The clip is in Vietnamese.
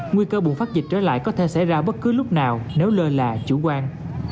nguy cơ bùng phát dịch trở lại có thể xảy ra bất cứ lúc nào nếu lơ là chủ quan